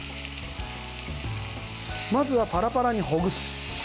まずはパラパラにほぐす。